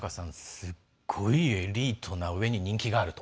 すごいエリートなうえに人気があると。